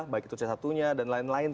baik itu c satu nya dan lain lain